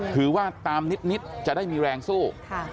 ถือว่าตามนิดจะได้มีแรงสู้